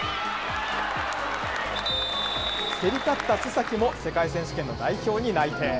競り勝った須崎も世界選手権の代表に内定。